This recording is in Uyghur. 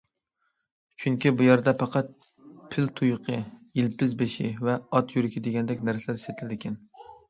چۈنكى بۇ يەردە پەقەت پىل تۇيۇقى، يىلپىز بېشى ۋە ئات يۈرىكى دېگەندەك نەرسىلەر سېتىلىدىكەن.